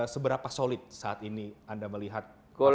seberapa solid saat ini anda melihat partai golkar